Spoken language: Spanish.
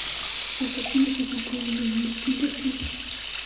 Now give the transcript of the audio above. El castillo fue construido en distintos tiempos.